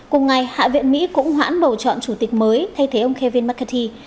cùng ngày hạ viện mỹ cũng hoãn bầu chọn chủ tịch mới thay thế ông khevin mccarthy